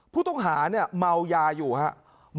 ผู้ต้องหาเนี่ยเมายาอยู่ครับ